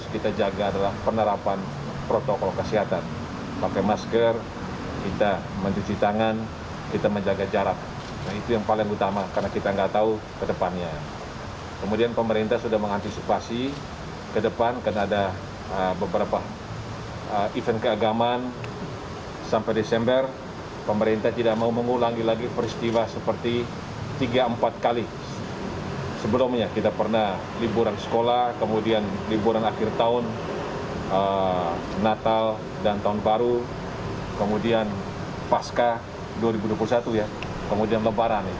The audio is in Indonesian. tiga empat kali sebelumnya kita pernah liburan sekolah kemudian liburan akhir tahun natal dan tahun baru kemudian pasca dua ribu dua puluh satu kemudian lebaran